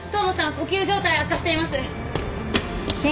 呼吸状態悪化しています！